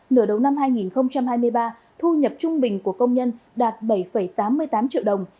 nửa đầu năm hai nghìn hai mươi ba thu nhập trung bình của công nhân đạt bảy tám mươi tám triệu đồng